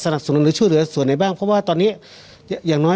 สนับส่วนหรือชื่นหรือนิยบ้างเพราะว่าตอนนี้อย่างน้อย